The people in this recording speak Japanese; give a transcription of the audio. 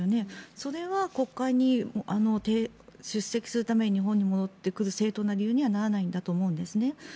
それは国会に出席するために日本に戻ってくる正当な理由にはならないと思うんですね。